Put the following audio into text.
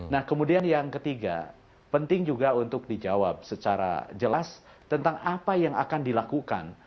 nah kemudian yang ketiga penting juga untuk dijawab secara jelas tentang apa yang akan dilakukan